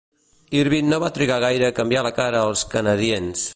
Irvin no va trigar gaire a canviar la cara als Canadiens.